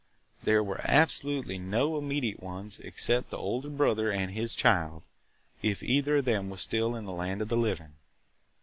There were absolutely no immediate ones except the older brother and his child, if either of them was still in the land of the living.